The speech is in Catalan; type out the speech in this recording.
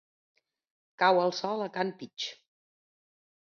Cau el sol a can Pich.